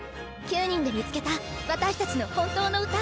９人で見つけた私たちの本当の歌。